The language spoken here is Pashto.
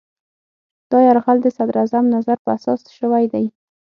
دا یرغل د صدراعظم نظر په اساس شوی دی.